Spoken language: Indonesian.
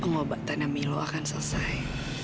pengobatan yang milo akan selesai